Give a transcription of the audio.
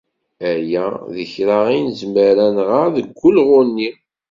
Aya d kra i nezmer ad nɣer deg wulɣu-nni.